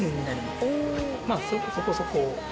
まあそこそこ。